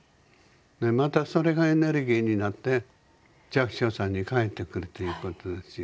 またそれがエネルギーになって寂聴さんに返ってくるということですよ。